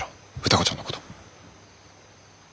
歌子ちゃんのこと。